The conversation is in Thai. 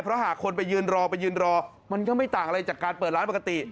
เพราะหากคนไปยืนรอไปยืนรอมันก็ไม่ต่างอะไรจากการเปิดร้านปกติ